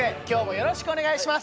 よろしくお願いします。